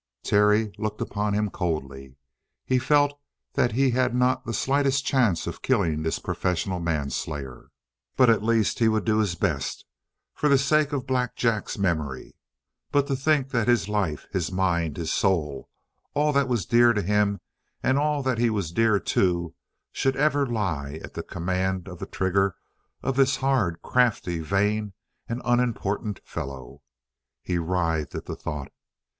Terry looked upon him coldly. He felt that he had not the slightest chance of killing this professional manslayer, but at least he would do his best for the sake of Black Jack's memory. But to think that his life his mind his soul all that was dear to him and all that he was dear to, should ever lie at the command of the trigger of this hard, crafty, vain, and unimportant fellow! He writhed at the thought.